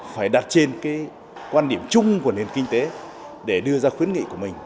phải đặt trên cái quan điểm chung của nền kinh tế để đưa ra khuyến nghị của mình